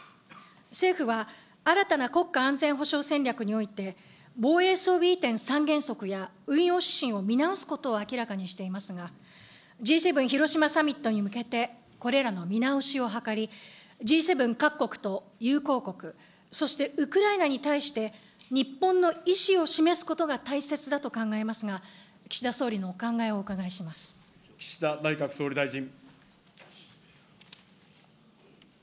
政府は、新たな国家安全保障戦略において、防衛装備移転三原則や、運用指針を見直すことを明らかにしていますが、Ｇ７広島サミットに向けて、これらの見直しを図り、Ｇ７各国と友好国、そしてウクライナに対して、日本の意思を示すことが大切だと考えますが、岸田総理のお考えを岸田内閣総理大臣。